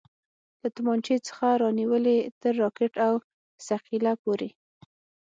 له تمانچې څخه رانيولې تر راکټ او ثقيله پورې.